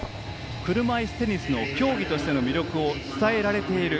車いすテニスの競技としての魅力を伝えられている。